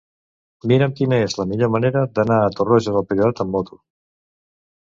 Mira'm quina és la millor manera d'anar a Torroja del Priorat amb moto.